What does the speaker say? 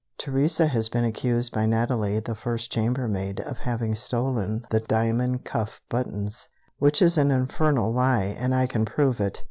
Teresa has been accused by Natalie, the first chambermaid, of having stolen the diamond cuff buttons " "Which is an infernal lie, and I can prove it!"